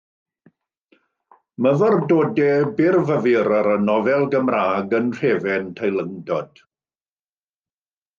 Myfyrdodau byrfyfyr ar y nofel Gymraeg, yn nhrefn teilyngdod.